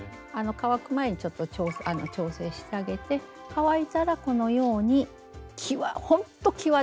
乾く前にちょっと調整してあげて乾いたらこのようにきわほんときわです。